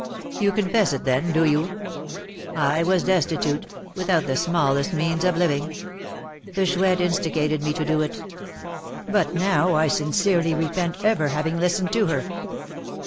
"You confess it, then, do you?" "I was destitute, without the smallest means of living, the Chouette instigated me to do it; but now I sincerely repent ever having listened to her.